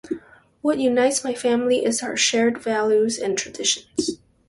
What unites my family is our shared values and traditions.